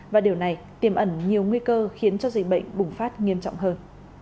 và điều này tiềm ẩn nhiều nguy cơ khiến cho dịch bệnh bùng phát nghiêm trọng hơn